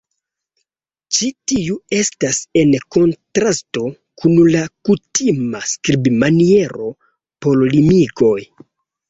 Ĉi tiu estas en kontrasto kun la kutima skribmaniero por limigoj.